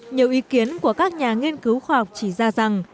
nhiều ý kiến của các nhà nghiên cứu khoa học chỉ ra rằng